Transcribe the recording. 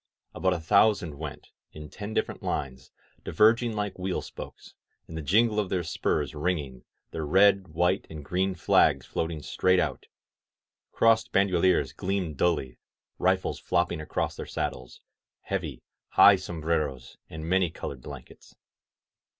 About a thousand went, in ten different lines, diverg ing like wheel spokes ; the jingle of their spurs ringing, their red white and green flags floating straight out, crossed bandoliers gleaming dully, rifles flopping across their saddles, heavy, high sombreros and many colored blankets.